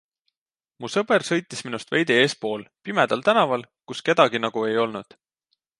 Mu sõber sõitis minust veidi eespool, pimedal tänaval, kus kedagi nagu ei olnud.